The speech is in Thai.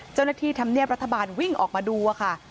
เจ้าหน้าที่ธรรมเนียบรัฐบาลวิ่งออกมาดูค่ะ